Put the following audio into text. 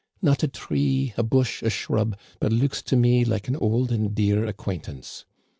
Not a tree, a bush, a shrub, but looks to me like an old and dear acquaintance.